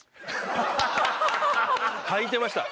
はいてました。